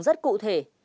rất cụ thể